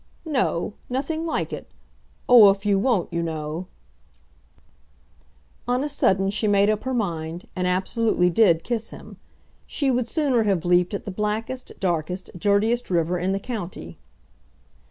"No; nothing like it. Oh, if you won't, you know " On a sudden she made up her mind, and absolutely did kiss him. She would sooner have leaped at the blackest, darkest, dirtiest river in the county.